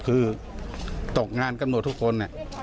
คือตกงานกำหนดทุกคน